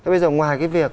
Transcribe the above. bây giờ ngoài cái việc